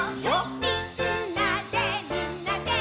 「みんなでみんなで」